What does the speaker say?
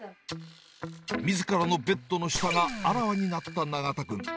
みずからのベッドの下があらわになった永田君。